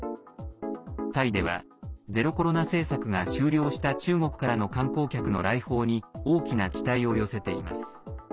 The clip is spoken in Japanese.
タイではゼロコロナ政策が終了した中国からの観光客の来訪に大きな期待を寄せています。